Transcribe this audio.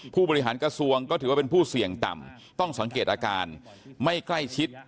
ผู้บริหารกระทรวงก็ถือว่าเป็นผู้เสี่ยงต่ำต้องสังเกตอาการไม่ใกล้ชิด